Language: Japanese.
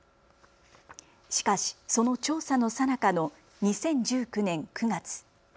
しかしその調査のさなかの２０１９年９月。